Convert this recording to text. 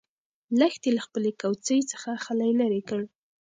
لښتې له خپلې کوڅۍ څخه خلی لرې کړ.